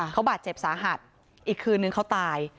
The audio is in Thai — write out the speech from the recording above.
เขาบาดเจ็บสาหัสอีกคืนนึงเขาตาย